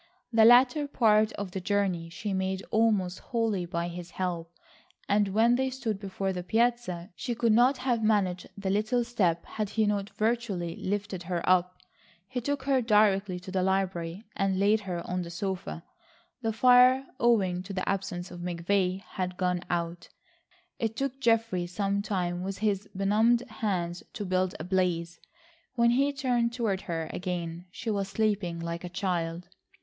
The latter part of the journey she made almost wholly by his help, and when they stood before the piazza, she could not have managed the little step had he not virtually lifted her up. He took her directly to the library and laid her on the sofa. The fire, owing to the absence of McVay, had gone out. It took Geoffrey some time with his benumbed hands to build a blaze. When he turned toward her again she was sleeping like a child.